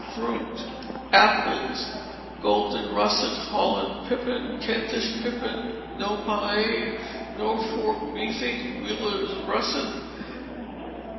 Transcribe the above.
Fruit. Apples: Golden russet, Holland pippin, Kentish pippin, nonpareil, Norfolk beefing, Wheeler's russet.